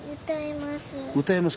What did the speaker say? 歌えます。